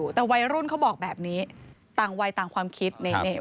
แต่วัยรุ่นเขาบอกแบบนี้ต่างวัยต่างความคิด